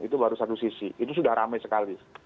itu baru satu sisi itu sudah ramai sekali